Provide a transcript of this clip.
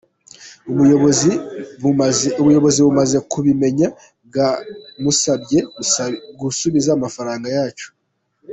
Ubuyobozi bumaze kubimenya bwamusabye kusubiza amafaranga yacu.